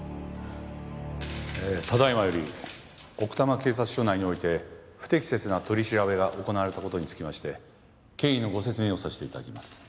えただいまより奥多摩警察署内において不適切な取り調べが行われたことにつきまして経緯のご説明をさせていただきます。